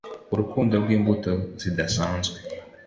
Urukundo rwimbuto zidasanzwe